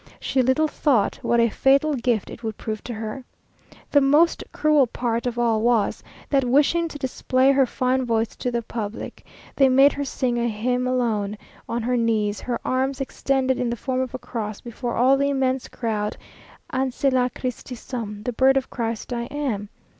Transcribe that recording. She little thought what a fatal gift it would prove to her. The most cruel part of all was, that wishing to display her fine voice to the public, they made her sing a hymn alone, on her knees, her arms extended in the form of a cross, before all the immense crowd; "Ancilla Christi sum," "The Bird of Christ I am."